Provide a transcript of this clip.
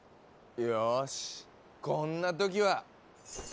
よしこんな時は！